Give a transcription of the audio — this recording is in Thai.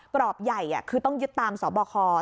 กรอบใหญ่คือต้องยึดตามสบค